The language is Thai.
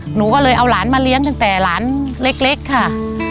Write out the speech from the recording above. หนูก็เลยเอาหลานมาเลี้ยงตั้งแต่หลานเล็กค่ะ